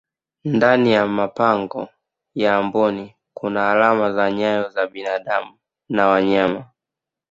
ndani ya mapango ya amboni Kuna alama za nyayo za binadamu na wanyama